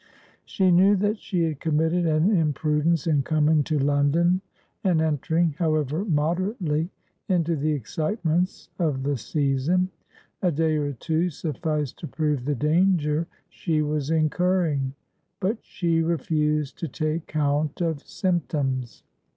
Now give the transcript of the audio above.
She knew that she had committed an imprudence in coming to London and entering, however moderately, into the excitements of the season. A day or two sufficed to prove the danger she was incurring; but she refused to take count of symptoms.